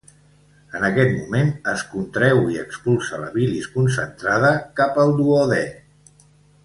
En aquest moment es contreu i expulsa la bilis concentrada cap al duodè.